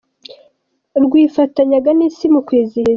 rwifatanyaga n’Isi mu kwizihiza.